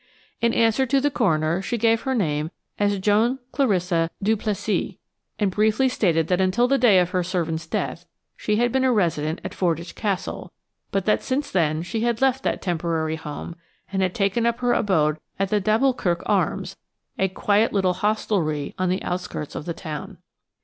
In answer to the coroner, she gave her name as Joan Clarissa Duplessis, and briefly stated that until the day of her servant's death she had been a resident at Fordwych Castle, but that since then she had left that temporary home, and had taken up her abode at the d'Alboukirk Arms, a quiet little hostelry on the outskirts of the town.